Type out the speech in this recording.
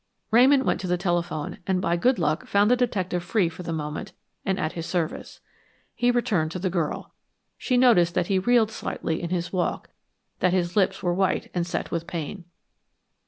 Ramon went to the telephone and by good luck found the detective free for the moment and at his service. He returned to the girl. She noticed that he reeled slightly in his walk; that his lips were white and set with pain.